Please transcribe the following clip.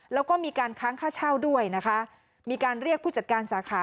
แล้วก็มีการค้างค่าเช่าด้วยนะคะมีการเรียกผู้จัดการสาขา